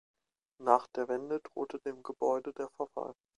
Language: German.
Nach der Wende drohte dem Gebäude der Verfall.